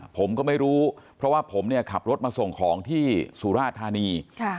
ผมก็ไม่รู้เพราะว่าผมเนี่ยขับรถมาส่งของที่สุราธานี